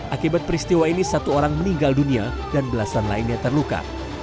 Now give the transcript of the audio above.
akibat peristiwa ini satu orang meninggal dunia dan belasan lainnya terluka